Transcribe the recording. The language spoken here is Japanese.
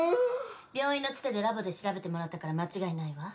病院のツテでラボで調べてもらったから間違いないわ。